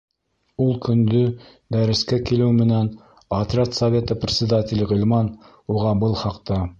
Ул көндө дәрескә килеү менән, отряд советы председателе Ғилман уға был хаҡта: